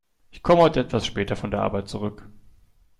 Ich komme heute etwas später von der Arbeit zurück.